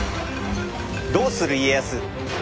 「どうする家康」。